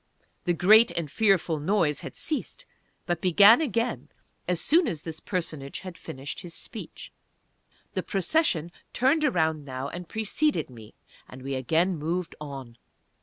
The great and fearful noise had ceased, but began again as soon as this personage had finished his speech. The Procession turned around now and preceded me, and we again moved on.